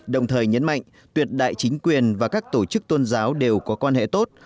đồng thời nhấn mạnh tuyệt đại chính quyền và các tổ chức tôn giáo đều có quan hệ tốt